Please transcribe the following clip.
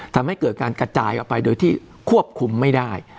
ทำให้เกิดการกระจายออกไปโดยที่ควบคุมไม่ได้